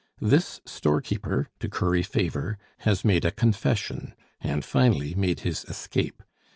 This storekeeper, to curry favor, has made a confession, and finally made his escape.